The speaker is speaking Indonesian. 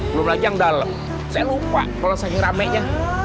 belum lagi yang dalem saya lupa kalau saking rame ya